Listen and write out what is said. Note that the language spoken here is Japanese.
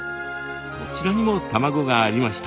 こちらにも卵がありました。